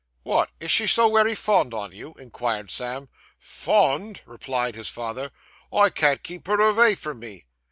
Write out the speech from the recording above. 'Wot! is she so wery fond on you?' inquired Sam. 'Fond!' replied his father. 'I can't keep her avay from me.